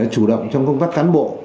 chủ động trong công tác cán bộ